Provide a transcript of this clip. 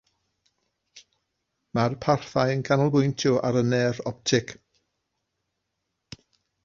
Mae'r parthau yn canolbwyntio ar y nerf optig.